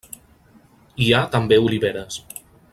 Hi ha també oliveres.